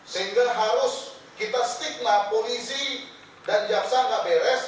sehingga harus kita stigma polisi dan jaksa nggak beres